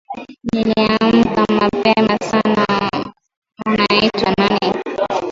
Niliamka mapema sana Unaitwa nani?